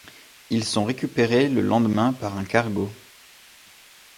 Ils sont récupérés le lendemain par un cargo.